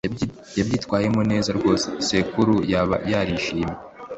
Yabyitwayemo neza rwose sekuru yaba yarishimye